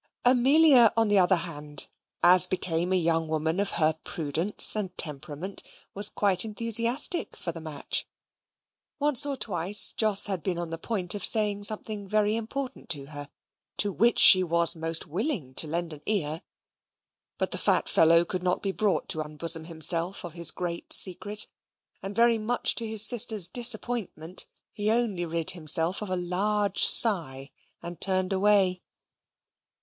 Amelia, on the other hand, as became a young woman of her prudence and temperament, was quite enthusiastic for the match. Once or twice Jos had been on the point of saying something very important to her, to which she was most willing to lend an ear, but the fat fellow could not be brought to unbosom himself of his great secret, and very much to his sister's disappointment he only rid himself of a large sigh and turned away.